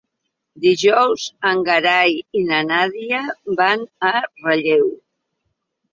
Dijous en Gerai i na Nàdia van a Relleu.